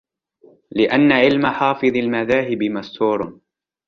لِأَنَّ عِلْمَ حَافِظِ الْمَذَاهِبِ مَسْتُورٌ